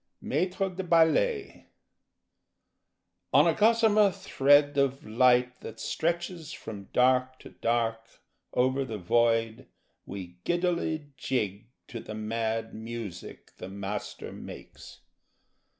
Maître de Ballet On a gossamer thread Of light that stretches From dark to dark Over the void We giddily jig To the mad music The Master makes.